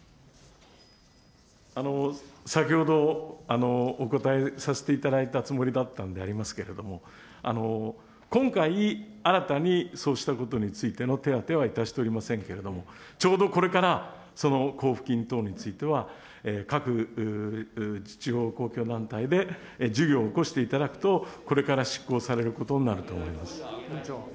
先ほどお答えさせていただいたつもりだったんでございますけれども、今回、新たにそうしたことについての手当はいたしておりませんけれども、ちょうどこれから、その交付金等については、各地方公共団体で、事業を興していただくと、これから執行されることになると思います。